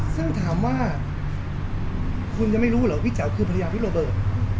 ซึ่งถามว่าคุณจะไม่รู้เหรอพี่แจ๋วคือภรรยาพี่โรเบิร์ต